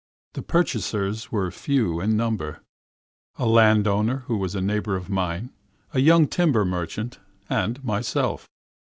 The purchasers were few in number a landowner who was a neighbor of mine, a young timber merchant, and myself.